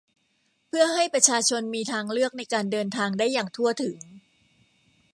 เพื่อให้ประชาชนมีทางเลือกในการเดินทางได้อย่างทั่วถึง